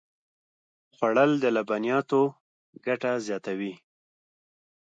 خوړل د لبنیاتو ګټه زیاتوي